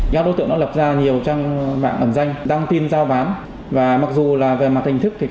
các đối tượng đã lập ra nhiều trang mạng ẩn danh đăng tin giao bán và mặc dù là về mặt hình thức